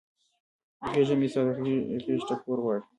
غیږه مې ستا د غیږ ټکور غواړي